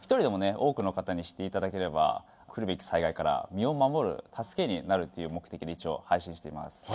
多くの方に知っていただければ来るべき災害から身を守る助けになるっていう目的で一応配信しています